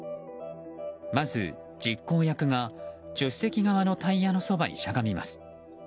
まず実行役が、助手席側のタイヤのそばにしゃがみます。